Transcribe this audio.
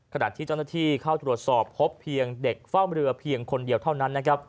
ขณะที่เจ้าหน้าที่เข้าตรวจสอบพบเพียงเด็กเฝ้าเรือเพียงคนเดียวเท่านั้นนะครับ